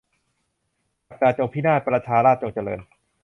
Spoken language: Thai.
ศักดินาจงพินาศ ประชาราษฎร์จงเจริญ